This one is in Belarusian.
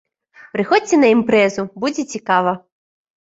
Прыходзьце на імпрэзу, будзе цікава!